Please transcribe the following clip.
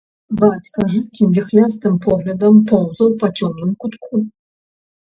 Бацька жыдкім віхлястым поглядам поўзаў па цёмным кутку.